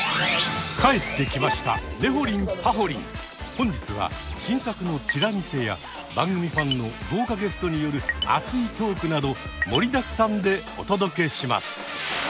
本日は新作のチラ見せや番組ファンの豪華ゲストによる熱いトークなど盛りだくさんでお届けします！